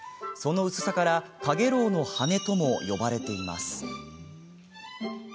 その薄さから、かげろうの羽とも呼ばれています。